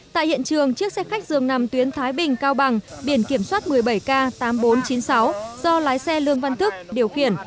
tại hiện trường chiếc xe khách dường nằm tuyến thái bình cao bằng biển kiểm soát một mươi bảy k tám nghìn bốn trăm chín mươi sáu do lái xe lương văn thức điều khiển